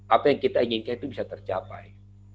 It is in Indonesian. apa yang kita inginkan itu bisa tercapai